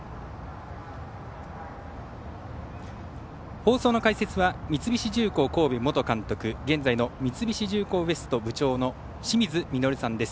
放送の解説は、三菱重工元監督現在の三菱重工ＷＥＳＴ部長の清水稔さんです。